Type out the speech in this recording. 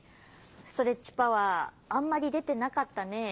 ストレッチパワーあんまりでてなかったね。